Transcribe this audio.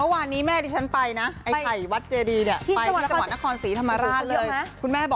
มานานแล้วเหมือนกันหลายปีแล้วเหมือนกันนะครับ